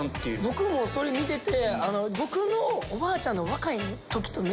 僕もそれ見てて。